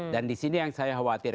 dan disini yang saya khawatir